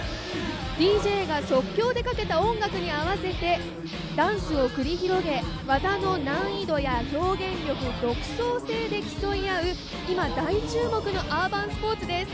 ＤＪが即興でかけた音楽に合わせてダンスを繰り広げ技の難易度や表現力独創性で競い合う、今大注目のアーバンスポーツです。